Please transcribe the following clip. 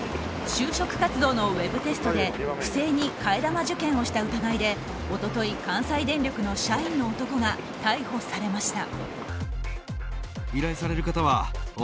就職活動のウェブテストで不正に替え玉受験をした疑いで一昨日、関西電力の社員の男が逮捕されました。